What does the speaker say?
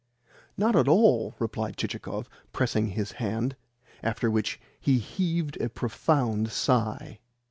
"Not at all," replied Chichikov, pressing his hand; after which he heaved a profound sigh.